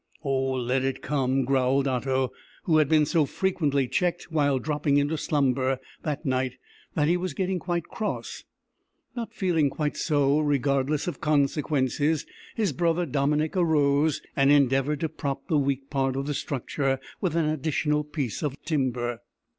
"Oh, let it come!" growled Otto, who had been so frequently checked while dropping into slumber that night that he was getting quite cross. Not feeling quite so regardless of consequences, his brother Dominick arose and endeavoured to prop the weak part of the structure with an additional piece of timber.